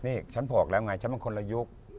นี่ฉันบอกแล้วไงฉันมันคนละยุค